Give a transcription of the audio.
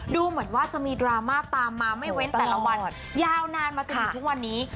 ดูเหมือนว่าจะมีดราม่าตามมาไม่เว้นแต่ละวันยาวนานมาจนถึงทุกวันนี้